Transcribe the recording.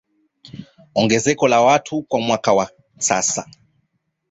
Ongezeko la watu kwa mwaka kwa sasa